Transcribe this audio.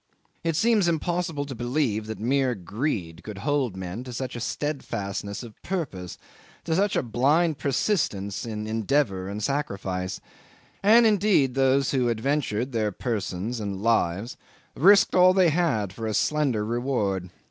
It seems impossible to believe that mere greed could hold men to such a steadfastness of purpose, to such a blind persistence in endeavour and sacrifice. And indeed those who adventured their persons and lives risked all they had for a slender reward.